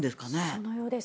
そのようです。